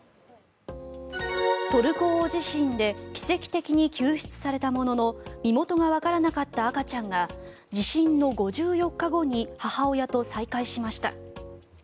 トルコ大地震で奇跡的に救出されたものの身元がわからなかった赤ちゃんが地震の５４日後に母親と再会しました。